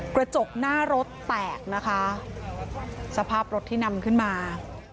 กระจกหน้ารถแตกนะคะสภาพรถที่นำขึ้นมา